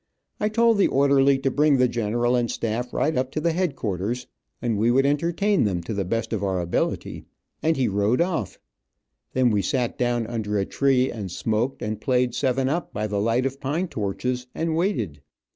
I told the orderly to bring the general and staff right up to the headquarters, and we would entertain them to the best of our ability, and he rode off. Then we sat down under a tree and smoked and played seven up by the light of pine torches, and waited.